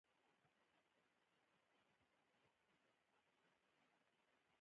فریدګل شاوخوا کتل خو څوک نه وو چې هرکلی یې وکړي